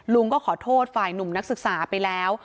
ก็ขอโทษฝ่ายหนุ่มนักศึกษาไปแล้ว